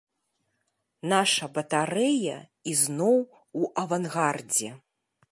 Наша батарэя ізноў у авангардзе.